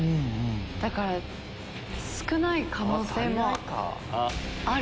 だから少ない可能性もある。